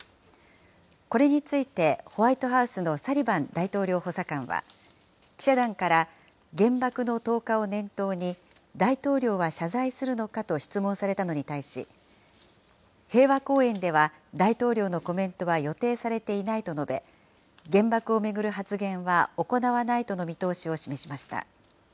これについてホワイトハウスのサリバン大統領補佐官は、記者団から、原爆の投下を念頭に、大統領は謝罪するのかと質問されたのに対し、平和公園では大統領のコメントは予定されていないと述べ、原爆を巡る発言は行わないとの見通しを示しました。